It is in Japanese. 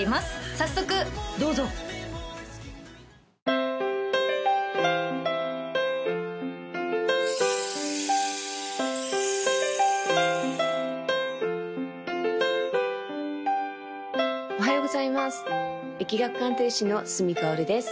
早速どうぞおはようございます易学鑑定士の角かおるです